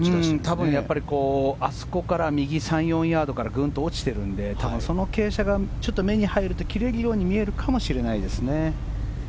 多分、あそこから右３４ヤードくらいからグンと落ちているので多分その傾斜が目に入ると切れるように見えるかもしれないですね。